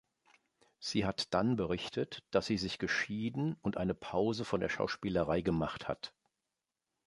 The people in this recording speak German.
Sie hat dann berichtet, dass sie sich geschieden und eine Pause von der Schauspielerei gemacht hat.